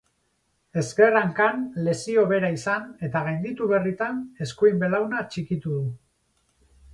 Ezker hankan lesio bera izan eta gainditu berritan, eskuin belauna txikitu du.